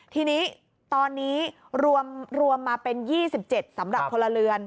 ทีนี้ตอนนี้รวมมาเป็น๒๗สำหรับพลเรือน